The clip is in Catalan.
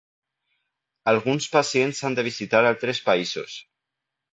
Alguns pacients han de visitar altres països.